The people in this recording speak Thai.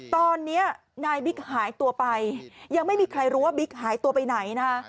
ตอนนี้นายบิ๊กหายตัวไปยังไม่มีใครรู้ว่าบิ๊กหายตัวไปไหนนะคะ